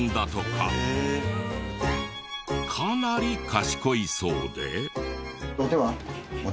かなり賢いそうで。